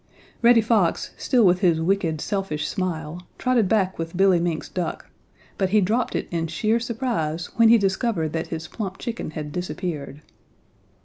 Reddy Fox, still with his wicked, selfish smile, trotted back with Billy Mink's duck, but he dropped it in sheer surprise when he discovered that his plump chicken had disappeared.